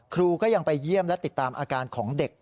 ครูก็ยังไปเยี่ยมและติดตามอาการของเด็ก